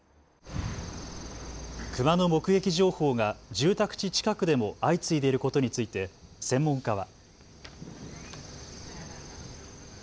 クマの目撃情報が住宅地近くでも相次いでいることについて専門家は。